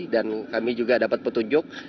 dan kami juga dapat petunjuk